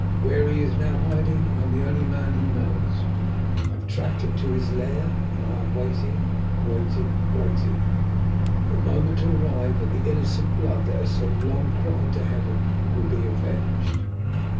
Where he is now hiding I am the only man who knows. I have tracked him to his lair, and I am waiting waiting waiting for the moment to arrive when the innocent blood that has so long cried to Heaven will be avenged.